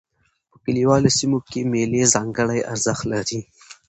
په کلیوالو سیمو کښي مېلې ځانګړی ارزښت لري.